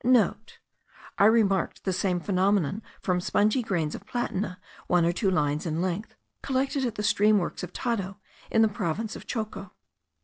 (* I remarked the same phenomenon from spongy grains of platina one or two lines in length, collected at the stream works of Taddo, in the province of Choco.